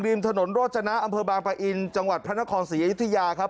ริมถนนโรจนะอำเภอบางปะอินจังหวัดพระนครศรีอยุธยาครับ